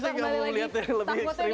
saya tidak mau melihatnya lebih ekstrim lagi